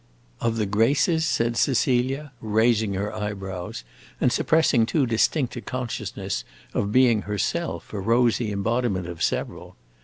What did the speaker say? "Of the graces?" said Cecilia, raising her eyebrows and suppressing too distinct a consciousness of being herself a rosy embodiment of several.